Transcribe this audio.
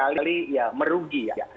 apalagi kalau mereka edukasi